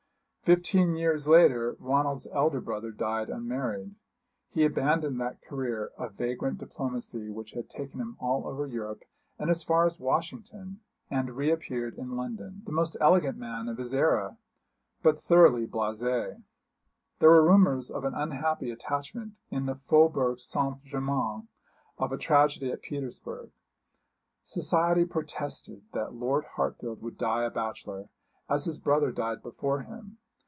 Fifteen years later Ronald's elder brother died unmarried. He abandoned that career of vagrant diplomacy which had taken him all over Europe, and as far as Washington, and re appeared in London, the most elegant man of his era, but thoroughly blasé. There were rumours of an unhappy attachment in the Faubourg Saint Germain; of a tragedy at Petersburg. Society protested that Lord Hartfield would die a bachelor, as his brother died before him.